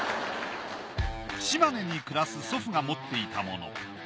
島根に暮らす祖父が持っていたもの。